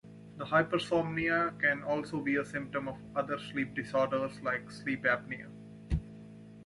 Hypersomnia can also be a symptom of other sleep disorders, like sleep apnea.